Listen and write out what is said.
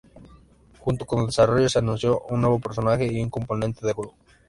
Junto con el desarrollo, se anunció un nuevo personaje y un componente de juego.